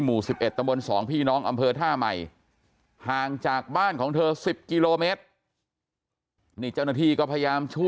หมู่๑๑ตำบล๒พี่น้องอำเภอท่าใหม่